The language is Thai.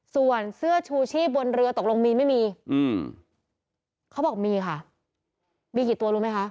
ส่วนเสื้อชูชีพบนเรือตกลงมีไม่มีอืมเขาบอกมีค่ะมีกี่ตัวรู้ไหมคะ